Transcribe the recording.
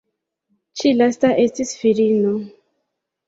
Ĉi lasta estis virino.